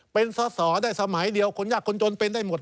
เป็นสอสอได้สมัยเดียวคนยากคนจนเป็นได้หมด